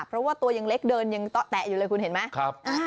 เพราะว่าตัวยังเล็กเดินยังโต๊ะแตะอยู่เลยคุณเห็นไหม